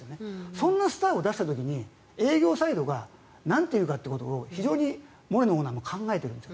そんなスターを出した時に営業サイドがなんと言うかということをモレノオーナーも考えているんです。